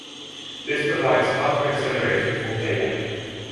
This provides hardware-acceleration for playback.